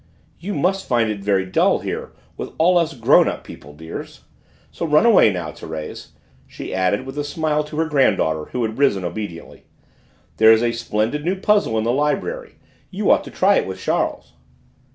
"You must find it very dull here with all of us grown up people, dears, so run away now. Thérèse," she added with a smile to her granddaughter who had risen obediently, "there is a splendid new puzzle in the library; you ought to try it with Charles."